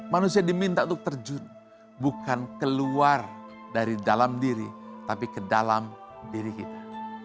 manusia diminta untuk terjun bukan keluar dari dalam diri tapi ke dalam diri kita